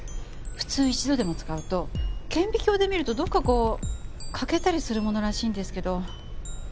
普通一度でも使うと顕微鏡で見るとどこかこう欠けたりするものらしいんですけど。